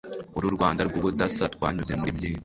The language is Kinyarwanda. uru Rwanda rw’ubudasa twanyuze muri byinshi